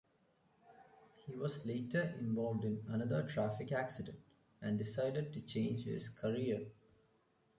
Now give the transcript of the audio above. He was later involved in another traffic accident and decided to change his career.